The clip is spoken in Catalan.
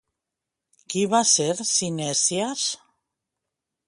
Qui va ser Cinèsies?